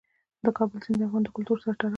د کابل سیند د افغان کلتور سره تړاو لري.